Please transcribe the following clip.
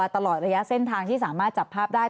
ตลอดระยะเส้นทางที่สามารถจับภาพได้